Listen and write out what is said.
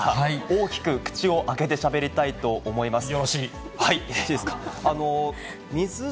大きく口を開けてしゃべりたいと思います。